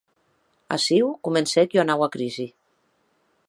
Aciu comencèc ua naua crisi.